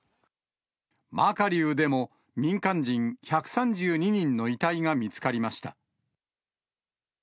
マカリウでも、民間人１３２人の遺体が見つかりました。